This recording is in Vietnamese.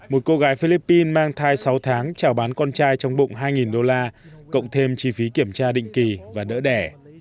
một cô gái philippines mang thai sáu tháng trào bán con trai trong bụng hai đô la cộng thêm chi phí kiểm tra định kỳ và đỡ đẻ